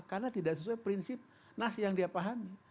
karena tidak sesuai prinsip nas yang dia pahami